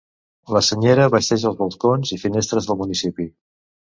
La senyera vesteix els balcons i finestres del municipi.